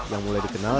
yang mulai dikenal